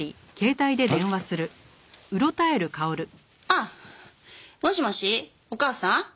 ああもしもしお母さん？